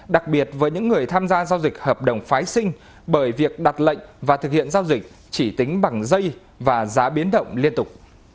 đặc biệt với những người tham gia giao dịch hợp đồng phái sinh bởi việc đặt lệnh và thực hiện giao dịch chỉ tính bằng dây và giá biến động liên tục